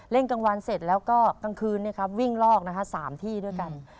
กลางวันเสร็จแล้วก็กลางคืนวิ่งลอก๓ที่ด้วยกัน